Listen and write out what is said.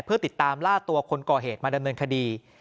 เพื่อติดตามล่าตัวคนก่อเหตุมาดำเนินคดี